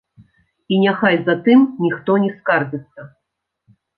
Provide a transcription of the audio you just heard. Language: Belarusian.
І няхай затым ніхто не скардзіцца.